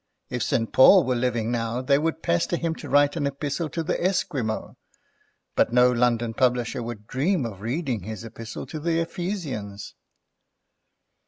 If St. Paul were living now they would pester him to write an Epistle to the Esquimaux, but no London publisher would dream of reading his Epistle to the Ephesians."